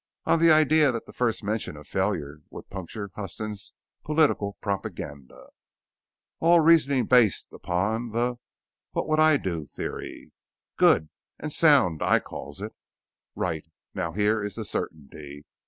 On the idea that the first mention of failure would puncture Huston's political propaganda." "All reasoning based upon the 'what would I do?' theory. Good and sound I calls it." "Right. Now, here is the certainty.